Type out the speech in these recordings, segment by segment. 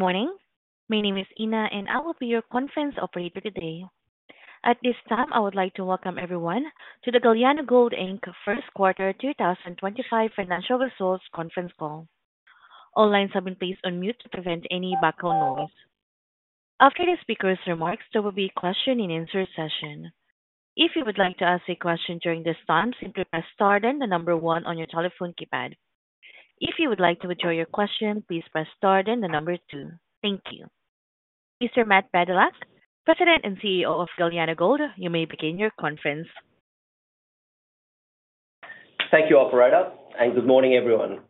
Good morning. My name is Ina, and I will be your conference operator today. At this time, I would like to welcome everyone to the Galiano Gold Inc. first quarter 2025 financial results conference call. All lines have been placed on mute to prevent any background noise. After the speaker's remarks, there will be a question-and-answer session. If you would like to ask a question during this time, simply press star then the number one on your telephone keypad. If you would like to withdraw your question, please press star then the number two. Thank you. Mr. Matt Badylak, President and CEO of Galiano Gold, you may begin your conference. Thank you, Operator, and good morning, everyone.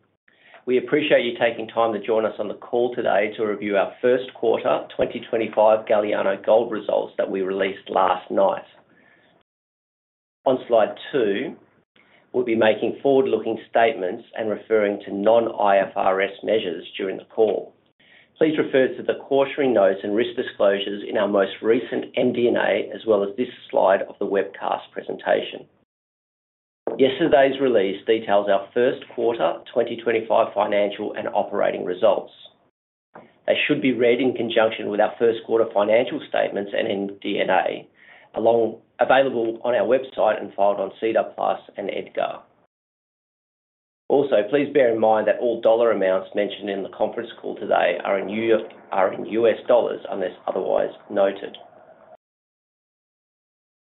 We appreciate you taking time to join us on the call today to review our First Quarter 2025 Galiano Gold results that we released last night. On slide two, we'll be making forward-looking statements and referring to non-IFRS measures during the call. Please refer to the quarterly notes and risk disclosures in our most recent MD&A, as well as this slide of the webcast presentation. Yesterday's release details our First Quarter 2025 financial and operating results. They should be read in conjunction with our First Quarter financial statements and MD&A, available on our website and filed on SEDAR+ and EDGAR. Also, please bear in mind that all dollar amounts mentioned in the conference call today are in US dollars unless otherwise noted.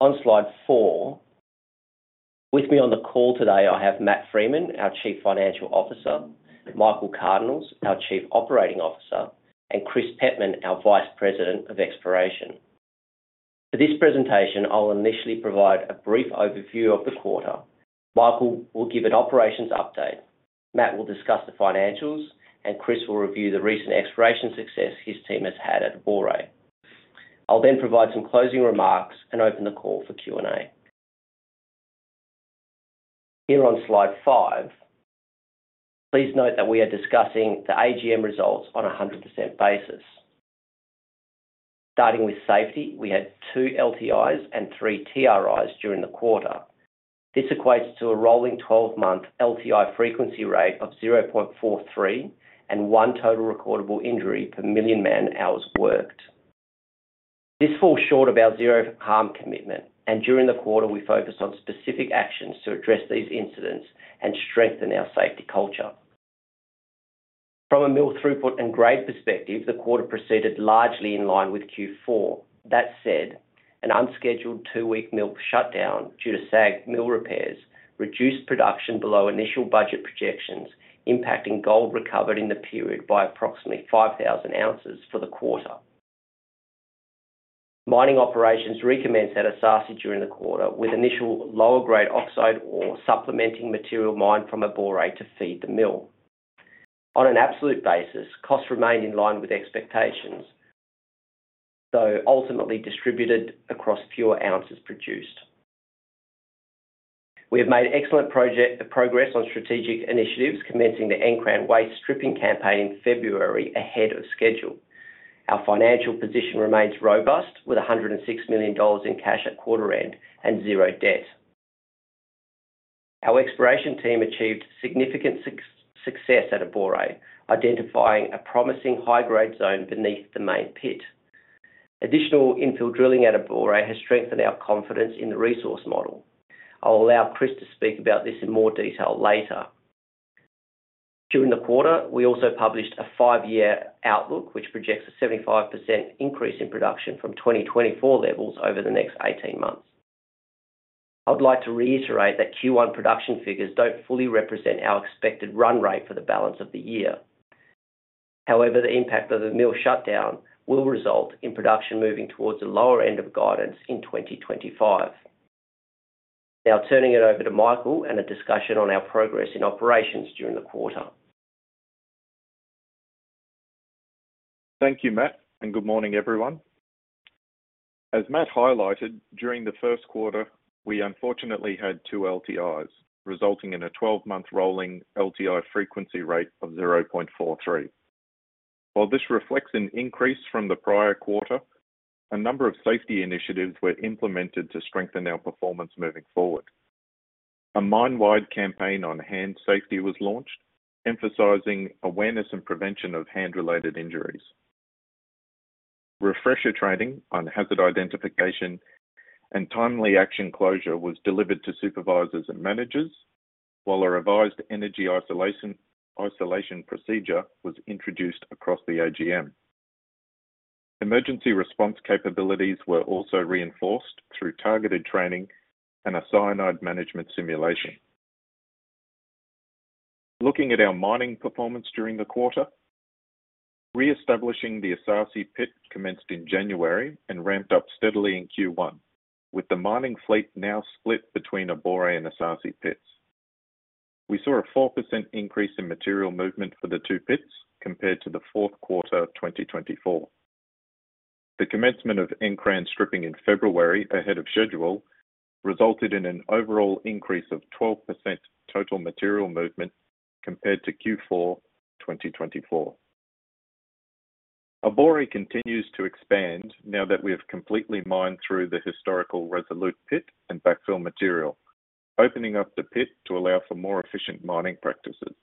On slide four, with me on the call today, I have Matt Freeman, our Chief Financial Officer; Michael Cardinaels, our Chief Operating Officer; and Chris Pettman, our Vice President of Exploration. For this presentation, I will initially provide a brief overview of the quarter. Michael will give an operations update, Matt will discuss the financials, and Chris will review the recent exploration success his team has had at Abore. I'll then provide some closing remarks and open the call for Q&A. Here on slide five, please note that we are discussing the AGM results on a 100% basis. Starting with safety, we had two LTIs and three TRIs during the quarter. This equates to a rolling 12-month LTI frequency rate of 0.43 and one total recordable injury per million man-hours worked. This falls short of our zero-harm commitment, and during the quarter, we focused on specific actions to address these incidents and strengthen our safety culture. From a mill throughput and grade perspective, the quarter proceeded largely in line with Q4. That said, an unscheduled two-week mill shutdown due to SAG mill repairs reduced production below initial budget projections, impacting gold recovered in the period by approximately 5,000 ounces for the quarter. Mining operations recommenced at Esaase during the quarter, with initial lower-grade oxide ore supplementing material mined from Abore to feed the mill. On an absolute basis, costs remained in line with expectations, though ultimately distributed across fewer ounces produced. We have made excellent progress on strategic initiatives, commencing the Nkran waste stripping campaign in February ahead of schedule. Our financial position remains robust, with $106 million in cash at quarter-end and zero debt. Our exploration team achieved significant success at Abore, identifying a promising high-grade zone beneath the main pit. Additional infill drilling at Abore has strengthened our confidence in the resource model. I'll allow Chris to speak about this in more detail later. During the quarter, we also published a five-year outlook, which projects a 75% increase in production from 2024 levels over the next 18 months. I would like to reiterate that Q1 production figures don't fully represent our expected run rate for the balance of the year. However, the impact of the mill shutdown will result in production moving towards the lower end of guidance in 2025. Now, turning it over to Michael and a discussion on our progress in operations during the quarter. Thank you, Matt, and good morning, everyone. As Matt highlighted, during the first quarter, we unfortunately had two LTIs, resulting in a 12-month rolling LTI frequency rate of 0.43. While this reflects an increase from the prior quarter, a number of safety initiatives were implemented to strengthen our performance moving forward. A mine-wide campaign on hand safety was launched, emphasizing awareness and prevention of hand-related injuries. Refresher training on hazard identification and timely action closure was delivered to supervisors and managers, while a revised energy isolation procedure was introduced across the AGM. Emergency response capabilities were also reinforced through targeted training and a cyanide management simulation. Looking at our mining performance during the quarter, reestablishing the Esaase pit commenced in January and ramped up steadily in Q1, with the mining fleet now split between Abore and Esaase pits. We saw a 4% increase in material movement for the two pits compared to the fourth quarter of 2024. The commencement of Nkran stripping in February, ahead of schedule, resulted in an overall increase of 12% total material movement compared to Q4 2024. Abore continues to expand now that we have completely mined through the historical Resolute pit and backfill material, opening up the pit to allow for more efficient mining practices.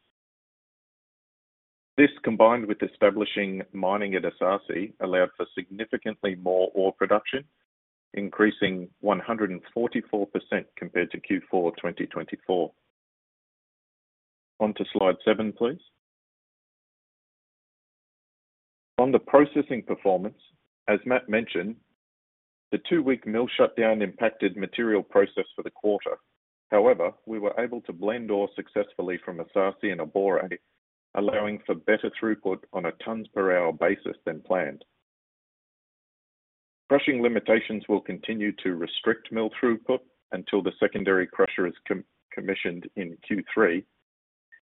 This, combined with establishing mining at Esaase, allowed for significantly more ore production, increasing 144% compared to Q4 2024. On to slide seven, please. On the processing performance, as Matt mentioned, the two-week mill shutdown impacted material processed for the quarter. However, we were able to blend ore successfully from Esaase and Abore, allowing for better throughput on a tons-per-hour basis than planned. Crushing limitations will continue to restrict mill throughput until the secondary crusher is commissioned in Q3.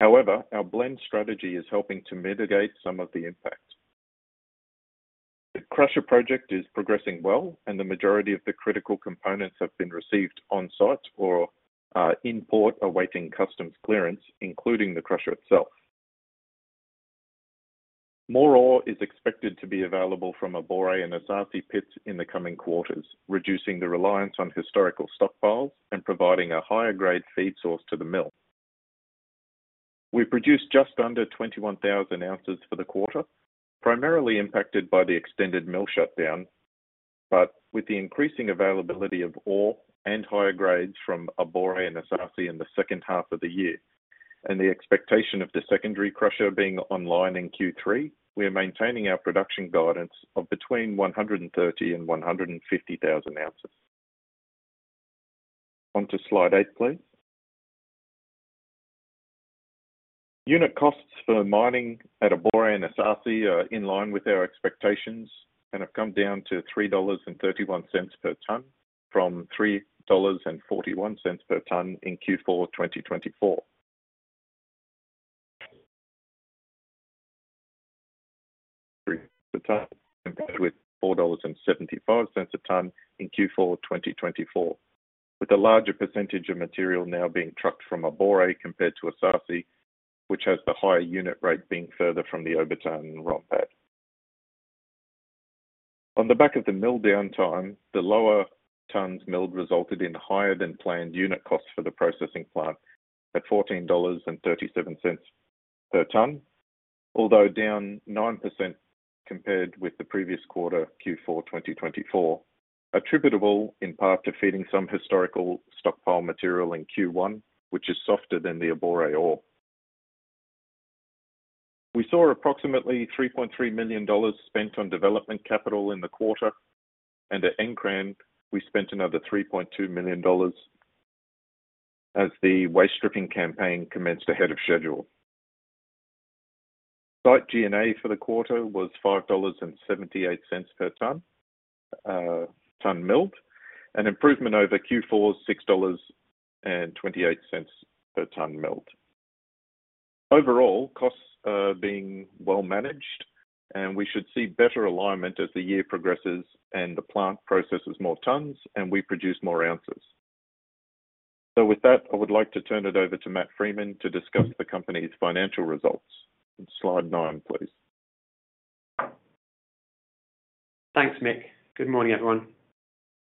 However, our blend strategy is helping to mitigate some of the impact. The crusher project is progressing well, and the majority of the critical components have been received on-site or in port awaiting customs clearance, including the crusher itself. More ore is expected to be available from Abore and Esaase pits in the coming quarters, reducing the reliance on historical stockpiles and providing a higher-grade feed source to the mill. We produced just under 21,000 ounces for the quarter, primarily impacted by the extended mill shutdown, but with the increasing availability of ore and higher grades from Abore and Esaase in the second half of the year, and the expectation of the secondary crusher being online in Q3, we are maintaining our production guidance of between 130,000 and 150,000 ounces. On to slide eight, please. Unit costs for mining at Abore and Esaase are in line with our expectations and have come down to $3.31 per ton from $3.41 per ton in Q4 2024. Per ton compared with $4.75 a ton in Q4 2024, with a larger percentage of material now being trucked from Abore compared to Esaase, which has the higher unit rate being further from the Obertown and Rompat. On the back of the mill downtime, the lower tons milled resulted in higher-than-planned unit costs for the processing plant at $14.37 per ton, although down 9% compared with the previous quarter, Q4 2024, attributable in part to feeding some historical stockpile material in Q1, which is softer than the Abore ore. We saw approximately $3.3 million spent on development capital in the quarter, and at Nkran, we spent another $3.2 million as the waste stripping campaign commenced ahead of schedule. Site G&A for the quarter was $5.78 per ton milled, an improvement over Q4's $6.28 per ton milled. Overall, costs are being well managed, and we should see better alignment as the year progresses and the plant processes more tons and we produce more ounces. With that, I would like to turn it over to Matt Freeman to discuss the company's financial results. Slide nine, please. Thanks, Mick. Good morning, everyone.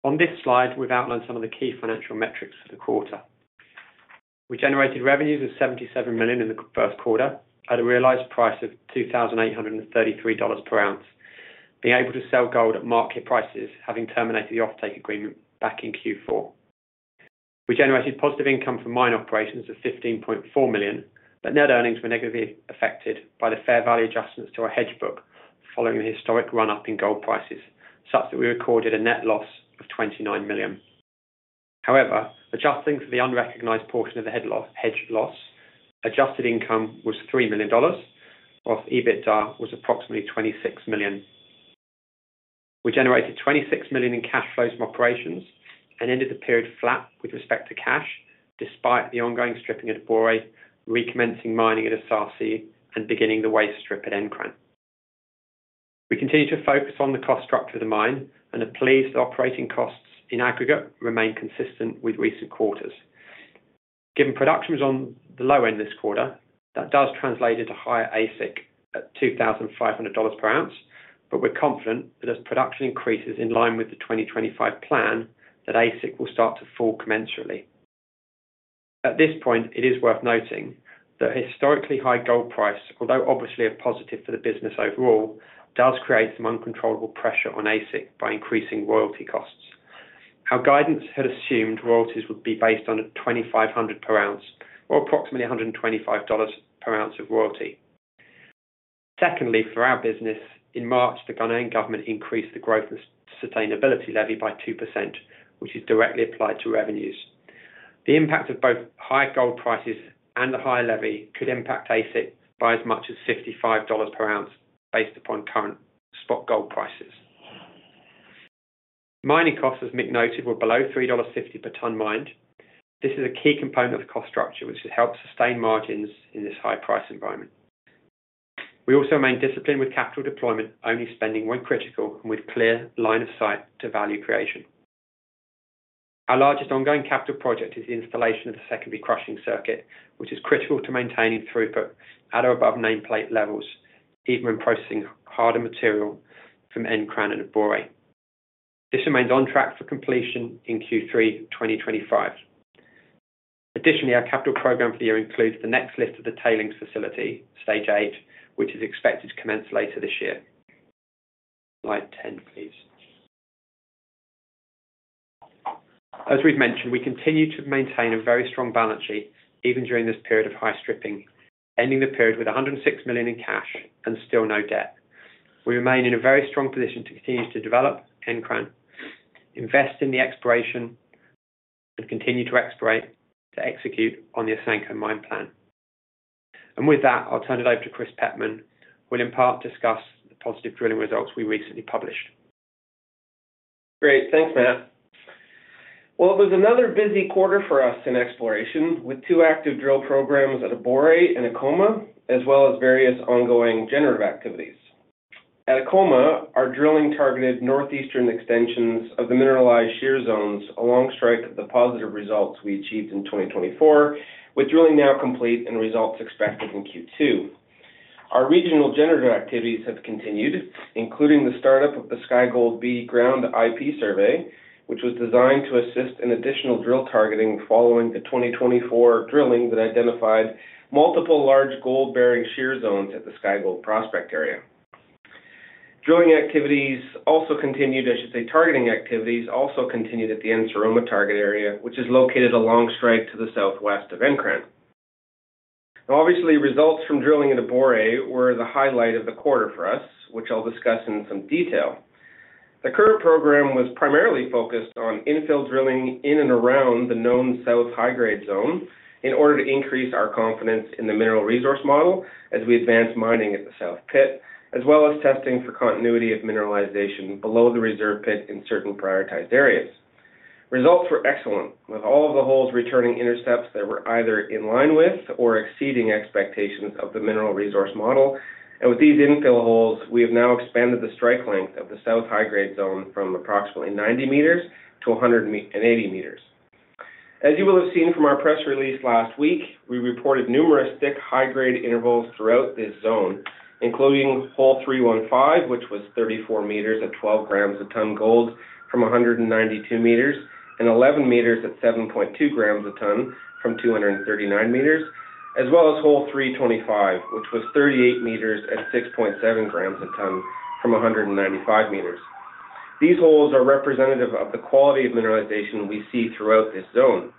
On this slide, we've outlined some of the key financial metrics for the quarter. We generated revenues of $77 million in the first quarter at a realized price of $2,833 per ounce, being able to sell gold at market prices, having terminated the offtake agreement back in Q4. We generated positive income from mine operations of $15.4 million, but net earnings were negatively affected by the fair value adjustments to our hedge book following a historic run-up in gold prices, such that we recorded a net loss of $29 million. However, adjusting for the unrecognized portion of the hedge loss, adjusted income was $3 million, whilst EBITDA was approximately $26 million. We generated $26 million in cash flows from operations and ended the period flat with respect to cash, despite the ongoing stripping at Abore, recommencing mining at Esaase, and beginning the waste strip at Nkran. We continue to focus on the cost structure of the mine and are pleased that operating costs in aggregate remain consistent with recent quarters. Given production was on the low end this quarter, that does translate into higher ASIC at $2,500 per ounce, but we're confident that as production increases in line with the 2025 plan, that ASIC will start to fall commensurately. At this point, it is worth noting that a historically high gold price, although obviously a positive for the business overall, does create some uncontrollable pressure on ASIC by increasing royalty costs. Our guidance had assumed royalties would be based on $2,500 per ounce or approximately $125 per ounce of royalty. Secondly, for our business, in March, the Ghanaian government increased the growth and sustainability levy by 2%, which is directly applied to revenues. The impact of both high gold prices and the high levy could impact ASIC by as much as $55 per ounce based upon current spot gold prices. Mining costs, as Mick noted, were below $3.50 per ton mined. This is a key component of the cost structure, which helps sustain margins in this high-price environment. We also remain disciplined with capital deployment, only spending when critical, and with a clear line of sight to value creation. Our largest ongoing capital project is the installation of the secondary crusher circuit, which is critical to maintaining throughput at or above nameplate levels, even when processing harder material from Nkran and Abore. This remains on track for completion in Q3 2025. Additionally, our capital program for the year includes the next lift of the tailings facility, Stage 8, which is expected to commence later this year. Slide 10, please. As we've mentioned, we continue to maintain a very strong balance sheet even during this period of high stripping, ending the period with $106 million in cash and still no debt. We remain in a very strong position to continue to develop Nkran, invest in the exploration, and continue to explorate to execute on the Asanko mine plan. With that, I'll turn it over to Chris Pettman, who will in part discuss the positive drilling results we recently published. Great. Thanks, Matt. It was another busy quarter for us in exploration, with two active drill programs at Abore and Akoma, as well as various ongoing generative activities. At Akoma, our drilling targeted northeastern extensions of the mineralized shear zones along strike. The positive results we achieved in 2024, with drilling now complete and results expected in Q2. Our regional generative activities have continued, including the startup of the SkyGold B ground IP survey, which was designed to assist in additional drill targeting following the 2024 drilling that identified multiple large gold-bearing shear zones at the SkyGold prospect area. Drilling activities also continued, I should say, targeting activities also continued at the Anseroma target area, which is located along strike to the southwest of Nkran. Now, obviously, results from drilling at Abore were the highlight of the quarter for us, which I'll discuss in some detail. The current program was primarily focused on infill drilling in and around the known south high-grade zone in order to increase our confidence in the mineral resource model as we advance mining at the south pit, as well as testing for continuity of mineralization below the reserve pit in certain prioritized areas. Results were excellent, with all of the holes returning intercepts that were either in line with or exceeding expectations of the mineral resource model. With these infill holes, we have now expanded the strike length of the south high-grade zone from approximately 90 meters to 180 meters. As you will have seen from our press release last week, we reported numerous thick high-grade intervals throughout this zone, including hole 315, which was 34 meters at 12 grams a ton gold from 192 meters and 11 meters at 7.2 grams a ton from 239 meters, as well as hole 325, which was 38 meters at 6.7 grams a ton from 195 meters. These holes are representative of the quality of mineralization we see throughout this zone.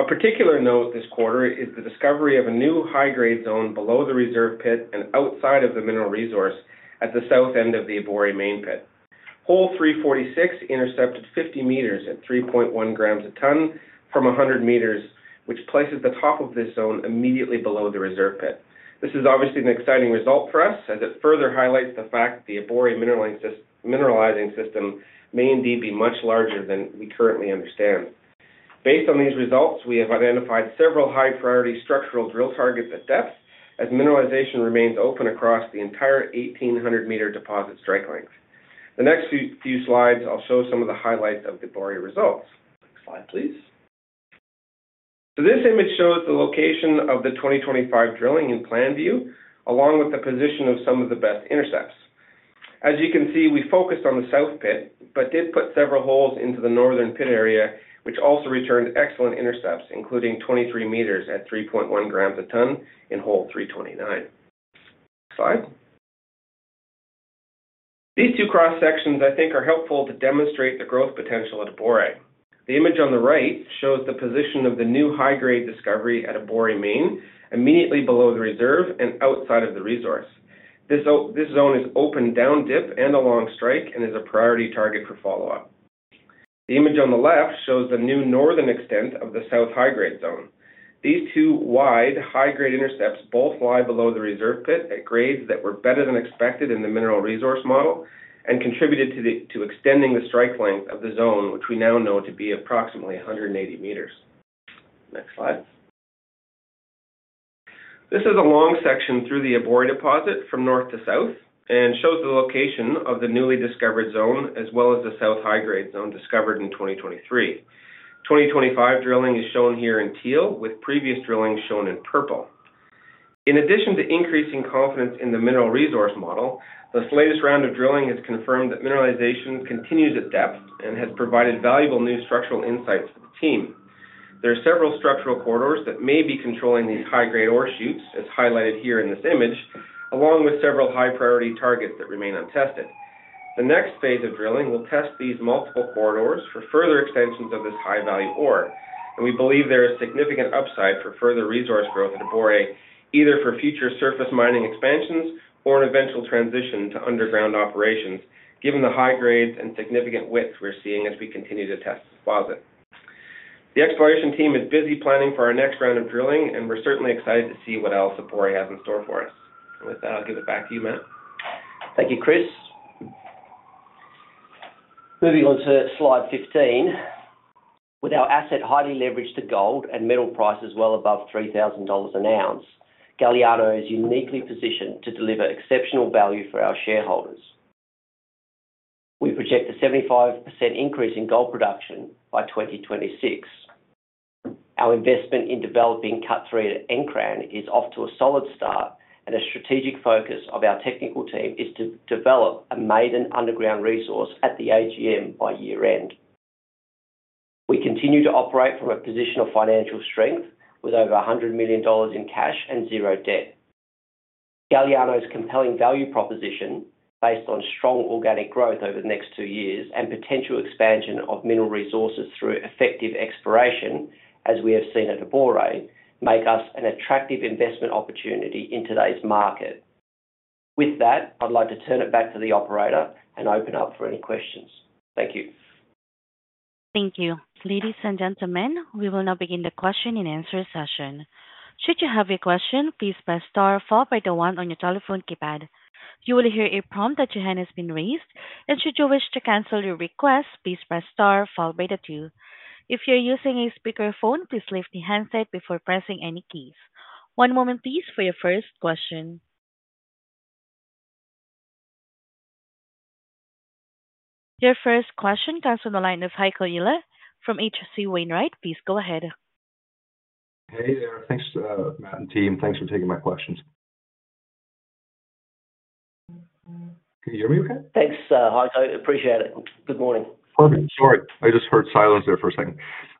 A particular note this quarter is the discovery of a new high-grade zone below the reserve pit and outside of the mineral resource at the south end of the Abore main pit. Hole 346 intercepted 50 meters at 3.1 grams a ton from 100 meters, which places the top of this zone immediately below the reserve pit. This is obviously an exciting result for us as it further highlights the fact that the Abore mineralizing system may indeed be much larger than we currently understand. Based on these results, we have identified several high-priority structural drill targets at depth as mineralization remains open across the entire 1,800-meter deposit strike length. The next few slides, I'll show some of the highlights of the Abore results. Next slide, please. This image shows the location of the 2025 drilling in plan view, along with the position of some of the best intercepts. As you can see, we focused on the south pit but did put several holes into the northern pit area, which also returned excellent intercepts, including 23 meters at 3.1 grams a ton in hole 329. Next slide. These two cross-sections, I think, are helpful to demonstrate the growth potential at Abore. The image on the right shows the position of the new high-grade discovery at Abore Main, immediately below the reserve and outside of the resource. This zone is open down dip and along strike and is a priority target for follow-up. The image on the left shows the new northern extent of the south high-grade zone. These two wide high-grade intercepts both lie below the reserve pit at grades that were better than expected in the mineral resource model and contributed to extending the strike length of the zone, which we now know to be approximately 180 meters. Next slide. This is a long section through the Abore deposit from north to south and shows the location of the newly discovered zone as well as the south high-grade zone discovered in 2023. 2025 drilling is shown here in teal, with previous drilling shown in purple. In addition to increasing confidence in the mineral resource model, this latest round of drilling has confirmed that mineralization continues at depth and has provided valuable new structural insights for the team. There are several structural corridors that may be controlling these high-grade ore chutes, as highlighted here in this image, along with several high-priority targets that remain untested. The next phase of drilling will test these multiple corridors for further extensions of this high-value ore, and we believe there is significant upside for further resource growth at Abore, either for future surface mining expansions or an eventual transition to underground operations, given the high grades and significant width we're seeing as we continue to test the deposit. The exploration team is busy planning for our next round of drilling, and we're certainly excited to see what else Abore has in store for us. With that, I'll give it back to you, Matt. Thank you, Chris. Moving on to slide 15. With our asset highly leveraged to gold and metal prices well above $3,000 an ounce, Galiano is uniquely positioned to deliver exceptional value for our shareholders. We project a 75% increase in gold production by 2026. Our investment in developing Cut 3 at Nkran is off to a solid start, and a strategic focus of our technical team is to develop a maiden underground resource at the AGM by year-end. We continue to operate from a position of financial strength, with over $100 million in cash and zero debt. Galiano's compelling value proposition, based on strong organic growth over the next two years and potential expansion of mineral resources through effective exploration, as we have seen at Abore, make us an attractive investment opportunity in today's market. With that, I'd like to turn it back to the operator and open up for any questions. Thank you. Thank you. Ladies and gentlemen, we will now begin the question and answer session. Should you have a question, please press star followed by the one on your telephone keypad. You will hear a prompt that your hand has been raised, and should you wish to cancel your request, please press star followed by the two. If you're using a speakerphone, please lift the handset before pressing any keys. One moment, please, for your first question. Your first question comes from the line of Heiko Ihle from H.C. Wainwright, please go ahead. Hey there. Thanks, Matt and team. Thanks for taking my questions. Can you hear me okay? Thanks, Heiko. Appreciate it. Good morning. Perfect. Sorry, I just heard silence there for a second.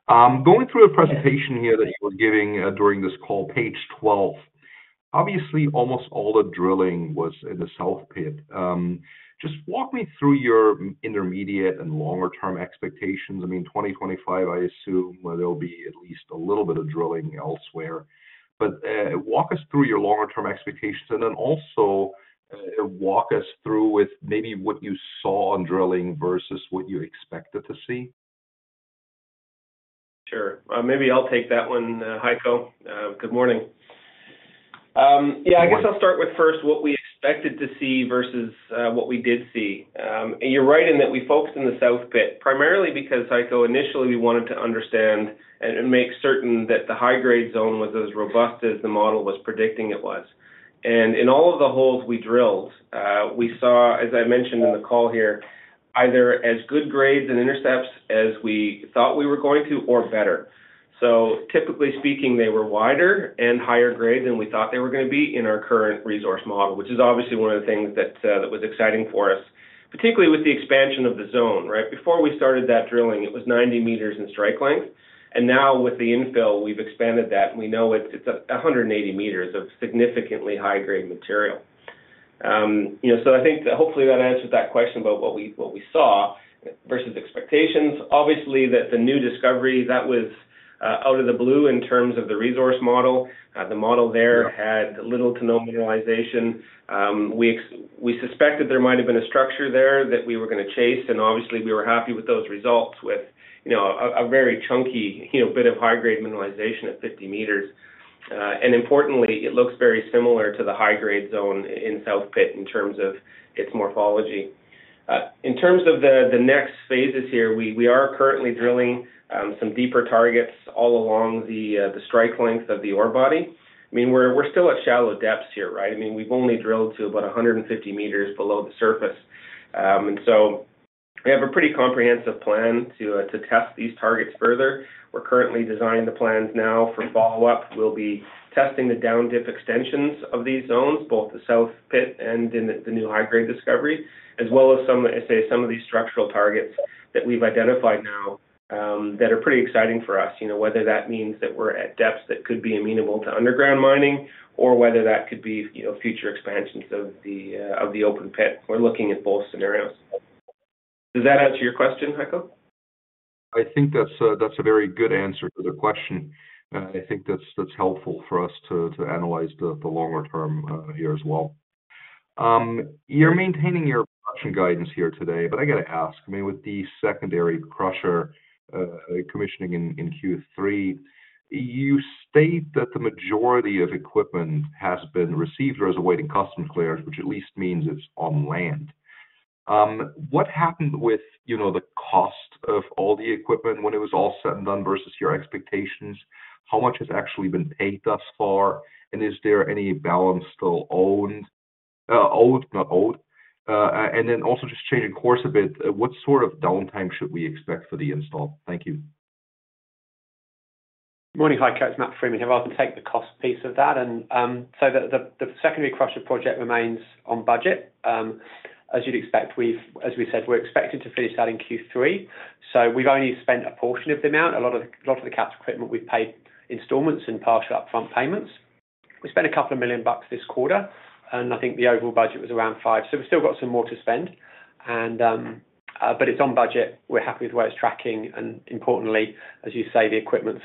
Going through a presentation here that you were giving during this call, page 12, obviously, almost all the drilling was in the south pit. Just walk me through your intermediate and longer-term expectations. I mean, 2025, I assume there'll be at least a little bit of drilling elsewhere. Walk us through your longer-term expectations, and then also walk us through with maybe what you saw on drilling versus what you expected to see. Sure. Maybe I'll take that one, Heiko. Good morning. Yeah, I guess I'll start with first what we expected to see versus what we did see. You're right in that we focused in the south pit, primarily because, Haikou, initially, we wanted to understand and make certain that the high-grade zone was as robust as the model was predicting it was. In all of the holes we drilled, we saw, as I mentioned in the call here, either as good grades and intercepts as we thought we were going to or better. Typically speaking, they were wider and higher grade than we thought they were going to be in our current resource model, which is obviously one of the things that was exciting for us, particularly with the expansion of the zone. Right before we started that drilling, it was 90 meters in strike length, and now with the infill, we've expanded that, and we know it's 180 meters of significantly high-grade material. I think hopefully that answered that question about what we saw versus expectations. Obviously, the new discovery, that was out of the blue in terms of the resource model. The model there had little to no mineralization. We suspected there might have been a structure there that we were going to chase, and obviously, we were happy with those results with a very chunky bit of high-grade mineralization at 50 meters. Importantly, it looks very similar to the high-grade zone in south pit in terms of its morphology. In terms of the next phases here, we are currently drilling some deeper targets all along the strike length of the ore body. I mean, we're still at shallow depths here, right? I mean, we've only drilled to about 150 meters below the surface. And so we have a pretty comprehensive plan to test these targets further. We're currently designing the plans now for follow-up. We'll be testing the down dip extensions of these zones, both the south pit and the new high-grade discovery, as well as some of these structural targets that we've identified now that are pretty exciting for us, whether that means that we're at depths that could be amenable to underground mining or whether that could be future expansions of the open pit. We're looking at both scenarios. Does that answer your question, Heiko? I think that's a very good answer to the question. I think that's helpful for us to analyze the longer term here as well. You're maintaining your production guidance here today, but I got to ask. I mean, with the secondary crusher commissioning in Q3, you state that the majority of equipment has been received or is awaiting customs clearance, which at least means it's on land. What happened with the cost of all the equipment when it was all said and done versus your expectations? How much has actually been paid thus far? And is there any balance still owned? Owed, not owned. Also, just changing course a bit, what sort of downtime should we expect for the install? Thank you. Good morning, Haikou. It's Matt Freeman. I'll take the cost piece of that. The secondary crusher project remains on budget. As you'd expect, as we said, we're expected to finish that in Q3. We've only spent a portion of the amount. A lot of the CapEx equipment, we've paid installments and partial upfront payments. We spent a couple of million bucks this quarter, and I think the overall budget was around $5 million. We've still got some more to spend, but it's on budget. We're happy with where it's tracking. Importantly, as you say, the equipment's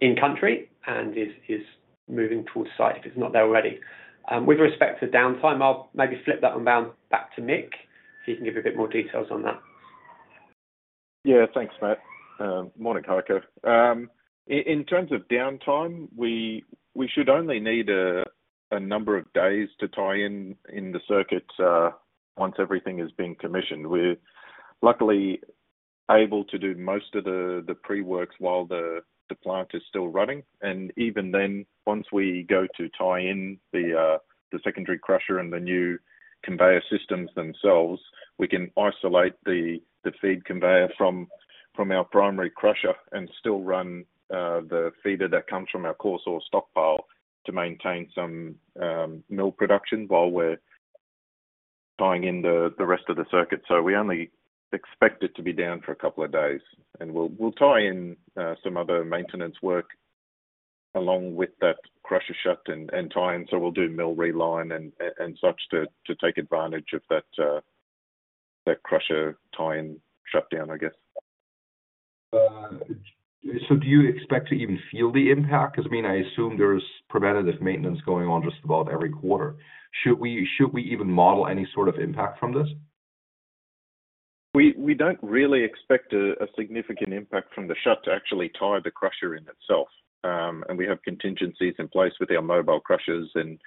in country and is moving towards site if it's not there already. With respect to downtime, I'll maybe flip that one back to Mick if he can give you a bit more details on that. Yeah, thanks, Matt. Good morning, Heiko. In terms of downtime, we should only need a number of days to tie in the circuit once everything has been commissioned. We're luckily able to do most of the pre-works while the plant is still running. Even then, once we go to tie in the secondary crusher and the new conveyor systems themselves, we can isolate the feed conveyor from our primary crusher and still run the feeder that comes from our coarse ore stockpile to maintain some mill production while we're tying in the rest of the circuit. We only expect it to be down for a couple of days. We'll tie in some other maintenance work along with that crusher shut and tie in. We'll do mill reline and such to take advantage of that crusher tie-in shutdown, I guess. Do you expect to even feel the impact? Because, I mean, I assume there's preventative maintenance going on just about every quarter. Should we even model any sort of impact from this? We do not really expect a significant impact from the shut to actually tie the crusher in itself. We have contingencies in place with our mobile crushers and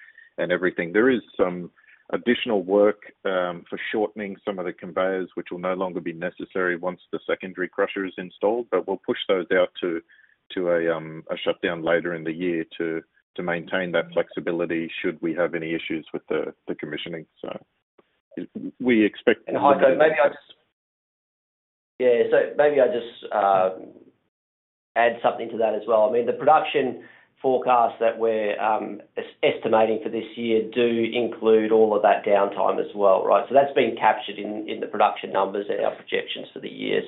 everything. There is some additional work for shortening some of the conveyors, which will no longer be necessary once the secondary crusher is installed. We will push those out to a shutdown later in the year to maintain that flexibility should we have any issues with the commissioning. We expect. Heiko, maybe I just. Yeah. Maybe I just add something to that as well. I mean, the production forecast that we're estimating for this year does include all of that downtime as well, right? That's been captured in the production numbers at our projections for the year.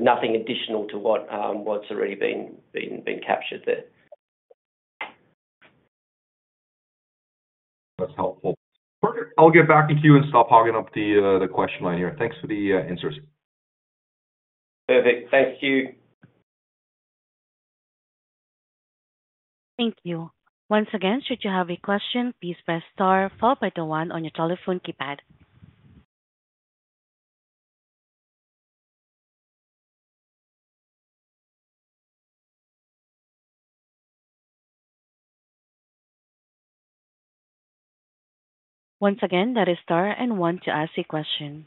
Nothing additional to what's already been captured there. That's helpful. Perfect. I'll get back to you and stop hogging up the question line here. Thanks for the answers. Perfect. Thank you. Thank you. Once again, should you have a question, please press star followed by the one on your telephone keypad. Once again, that is star and one to ask a question.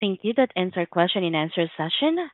Thank you. That ends our question and answer session.